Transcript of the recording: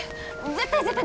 絶対絶対！